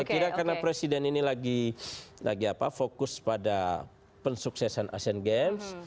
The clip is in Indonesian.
saya kira karena presiden ini lagi fokus pada pensuksesan asian games